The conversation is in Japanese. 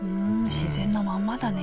自然のまんまだね